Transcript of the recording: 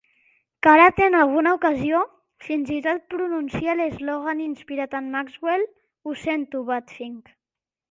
Karate en alguna ocasió fins i tot pronuncia l'eslògan inspirat en Maxwell: "Ho sento, Batfink".